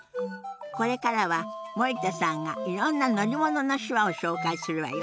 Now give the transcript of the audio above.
これからは森田さんがいろんな乗り物の手話を紹介するわよ。